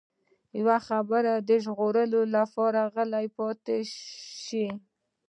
يوه خبره د ژغورلو لپاره غلی پاتې شي.